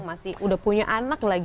masih udah punya anak lagi